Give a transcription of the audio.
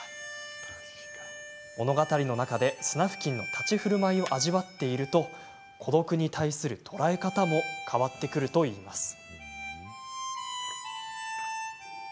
物語の中でスナフキンの立ち居振る舞いを味わっていると孤独に対する捉え方も変わってくるといいます。